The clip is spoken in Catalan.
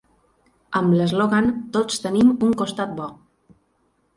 Amb l’eslògan Tots tenim un costat bo.